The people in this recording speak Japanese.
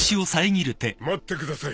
・待ってください。